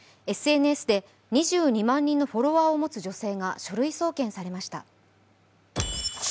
ＳＮＳで２２万人のフォロワーを持つ女性が書類送検されました。